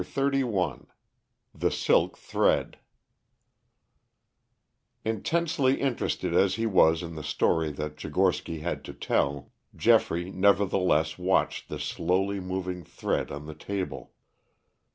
CHAPTER XXXI THE SILK THREAD Intensely interested as he was in the story that Tchigorsky had to tell, Geoffrey nevertheless watched the slowly moving thread on the table.